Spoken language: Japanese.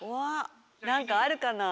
なんかあるかな？